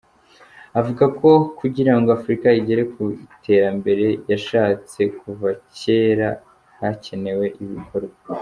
Avuga ko kugira ngo Afurika igere ku iterambere yashatse kuva kera hakenewe ibikorwa.